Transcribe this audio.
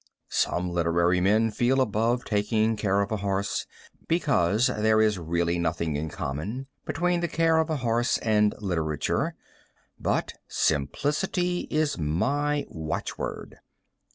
Some literary men feel above taking care of a horse, because there is really nothing in common between the care of a horse and literature, but simplicity is my watchword.